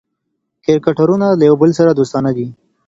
کرکټرونه له یو بل سره دوستانه دي.